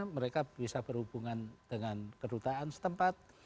mereka bisa berhubungan dengan kedutaan setempat